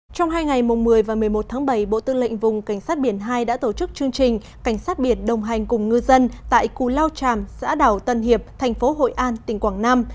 trong hai ngày mùng một mươi và một mươi một tháng bảy bộ tư lệnh vùng cảnh sát biển hai đã tổ chức chương trình cảnh sát biển đồng hành cùng ngư dân tại cù lao tràm xã đảo tân hiệp thành phố hội an tỉnh quảng nam